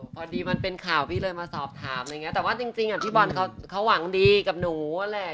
พอดีมันเป็นข่าวพี่เลยมาสอบถามอะไรอย่างเงี้แต่ว่าจริงจริงอ่ะพี่บอลเขาหวังดีกับหนูนั่นแหละ